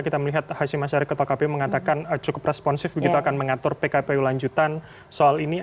kita melihat hashim ashari ketua kpu mengatakan cukup responsif begitu akan mengatur pkpu lanjutan soal ini